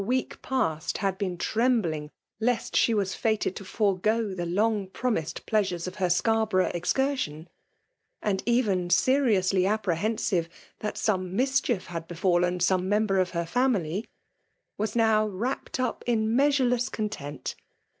^ek past had, b^fA trembling Jest she waa fated to forego tk^ }Qng promised pleasures of her Scarborough ^zpursion, and oven aerioasly apprehensive that $ome mischief had hc&Uen some member of her family, was now wrapt up in measurelesa content.